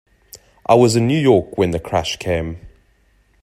I was in New York when the crash came.